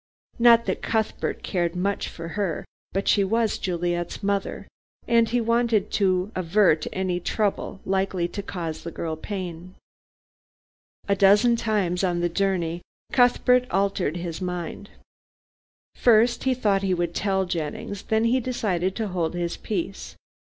Not that Cuthbert cared much for her, but she was Juliet's mother, and he wanted to avert any trouble likely to cause the girl pain. A dozen times on the journey Cuthbert altered his mind. First he thought he would tell Jennings, then he decided to hold his peace.